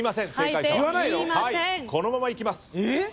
このままいきます。